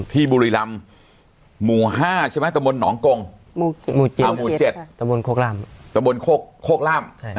ที่บุรีรำหมู่๕ใช่ไหมตะบนหนองกงหมู่๗ตะบนโคกร่าม